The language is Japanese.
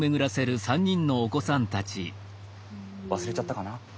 忘れちゃったかな。